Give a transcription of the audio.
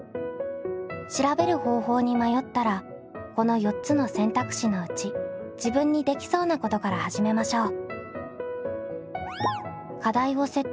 調べる方法に迷ったらこの４つの選択肢のうち自分にできそうなことから始めましょう。